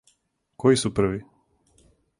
Који су први?